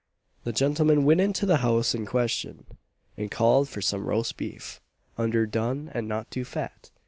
The gentleman went into the house in question, and called for some roast beef, "under done, and not too fat."